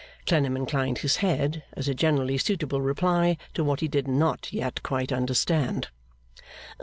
Clennam inclined his head, as a generally suitable reply to what he did not yet quite understand.